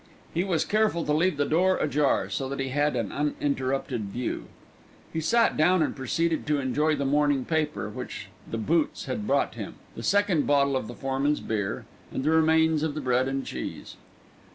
He was careful to leave the door ajar so that he had an uninterrupted view. He sat down and proceeded to enjoy the morning paper which the "Boots" had brought him, the second bottle of the foreman's beer, and the remains of the bread and cheese.